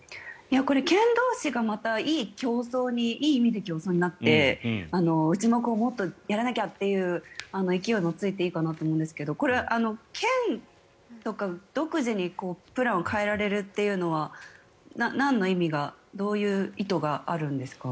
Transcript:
これ、県同士がいい意味で競争になってうちももっとやらなきゃという勢いもついていいかなと思うんですが県とか独自にプランを変えられるというのはなんの意味がどういう意図があるんですか？